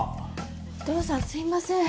お義父さんすみません！